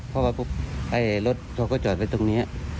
เพราะว่ารถเธอก็จอดไว้ตรงนี้